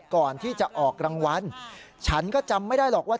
ก่อนที่จะออกรางวัลฉันก็จำไม่ได้หรอกว่า